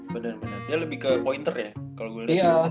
bener bener dia lebih ke pointer ya